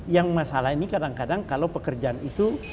yang masalah ini kadang kadang kalau pekerjaan itu